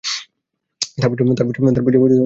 তাঁর পূজা মূলত মাঘ মাসে হয়ে থাকে।